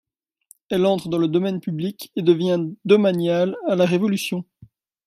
Elle entre dans le domaine public et devient domaniale à la Révolution.